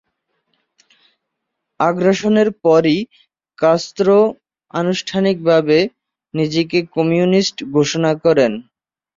আগ্রাসনের পরই, কাস্ত্রো আনুষ্ঠানিকভাবে নিজেকে কমিউনিস্ট ঘোষণা করেন।